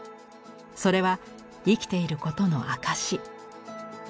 それは生きていることの証し。